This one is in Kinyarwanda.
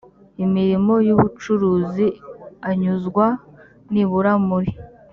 imirimo y ubucuruzi anyuzwa nibura muri